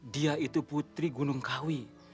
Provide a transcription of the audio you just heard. dia itu putri gunungkawi